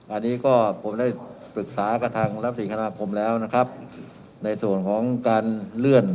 อันนี้ก็ผมได้ปรึกษากับทางรับสี่คณะคมแล้วนะครับในส่วนของการเลื่อน